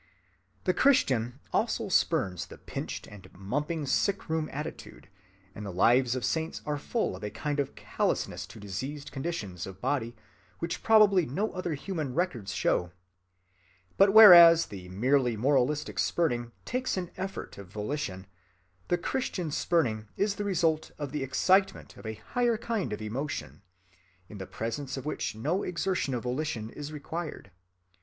The Christian also spurns the pinched and mumping sick‐room attitude, and the lives of saints are full of a kind of callousness to diseased conditions of body which probably no other human records show. But whereas the merely moralistic spurning takes an effort of volition, the Christian spurning is the result of the excitement of a higher kind of emotion, in the presence of which no exertion of volition is required.